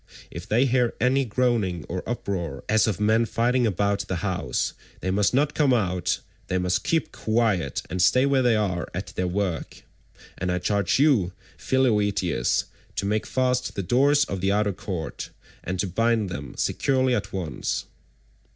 If they hear any groaning or uproar as of men fighting about the house, they must not come out; they must keep quiet, and stay where they are at their work. And I charge you, Philoetius, to make fast the doors of the outer court, and to bind them securely at once."